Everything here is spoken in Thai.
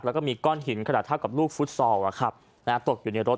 แล้วก็มีก้อนหินขนาดท่ากับลูกฟุตซอลอ่ะครับนะฮะตกอยู่ในรถ